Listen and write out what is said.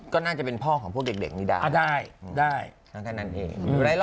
ก็น่าจะเป็นพ่อของพวกเด็กนี่ด้าได้ได้